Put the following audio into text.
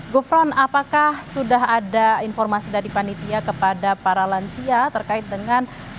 gufron apakah sudah ada informasi dari panitia kepada para lansia terkait dengan